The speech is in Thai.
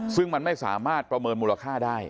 ซึ่งมันไม่สามารถประเมินมูลค่าได้